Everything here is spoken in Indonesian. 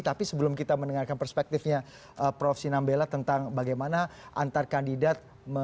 tapi sebelum kita mendengarkan perspektifnya prof sinambela tentang bagaimana antar kandidat